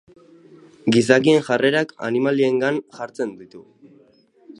Gizakien jarrerak animaliengan jartzen ditu.